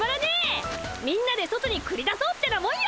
みんなで外にくり出そうってなもんよ。